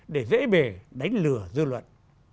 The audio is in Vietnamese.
để dễ bề đánh lừa dư luận